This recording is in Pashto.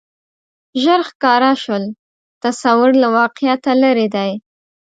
ژر ښکاره شول تصور له واقعیته لرې دی